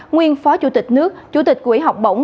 nguyên phó chủ tịch nước chủ tịch quỹ học bổng